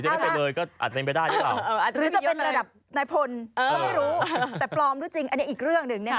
หรือจะเป็นระดับนายพลก็ไม่รู้แต่ปลอมหรือจริงอันนี้อีกเรื่องหนึ่ง